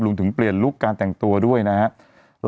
ถึงเปลี่ยนลุคการแต่งตัวด้วยนะครับ